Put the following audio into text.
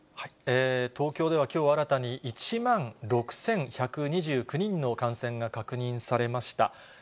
東京ではきょう新たに１万６１２９人の感染が確認されました。